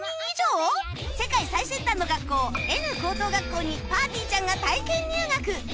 世界最先端の学校 Ｎ 高等学校にぱーてぃーちゃんが体験入学